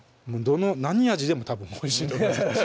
何味でもたぶんおいしいと思います